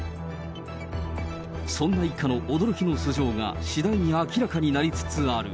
そんな一家の驚きの素性が次第に明らかになりつつある。